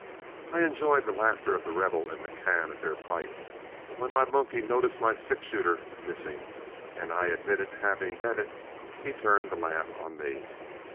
I enjoyed the laughter of The Rebel and McCann at their plight; but when my bunkie noticed my six shooter missing, and I admitted having bet it, he turned the laugh on me.